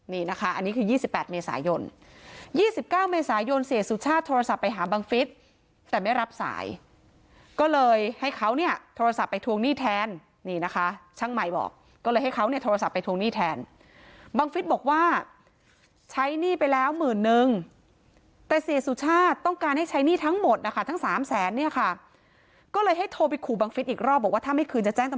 นี่นะคะอันนี้คือ๒๘เมษายน๒๙เมษายนเสียสุชาติโทรศัพท์ไปหาบังฟิศแต่ไม่รับสายก็เลยให้เขาเนี่ยโทรศัพท์ไปทวงหนี้แทนนี่นะคะช่างใหม่บอกก็เลยให้เขาเนี่ยโทรศัพท์ไปทวงหนี้แทนบังฟิศบอกว่าใช้หนี้ไปแล้วหมื่นนึงแต่เสียสุชาติต้องการให้ใช้หนี้ทั้งหมดนะคะทั้ง๓แสนเนี่ยค่ะก็เลยให้โทรไปขู่บังฟิศอีกรอบบอกว่าถ้าไม่คืนจะแจ้งต